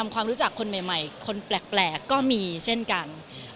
ก็มีเช่นกัน